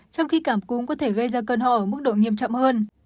trong khi cảm cúm có thể gây ra cơn ho ở mức độ nghiêm trọng hơn